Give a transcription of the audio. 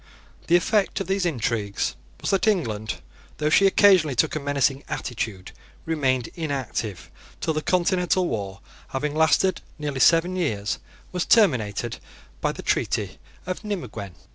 The effect of these intrigues was that England, though she occasionally took a menacing attitude, remained inactive till the continental war, having lasted near seven years, was terminated by the treaty of Nimeguen.